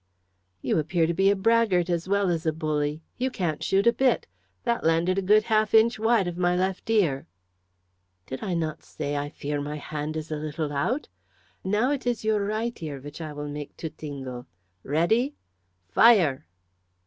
"You appear to be a braggart as well as a bully. You can't shoot a bit. That landed a good half inch wide of my left ear." "Did I not say I fear my hand is a little out? Now it is your right ear which I will make to tingle. Ready! Fire!"